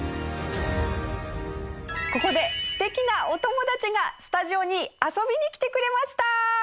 ここで素敵なお友達がスタジオに遊びに来てくれました！